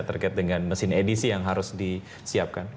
terkait dengan mesin edisi yang harus disiapkan